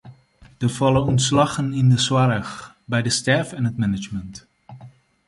Der falle ûntslaggen yn de soarch, by de stêf en it management.